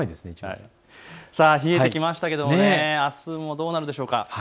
冷えてきましたけれどもあすはどうなるんでしょうか。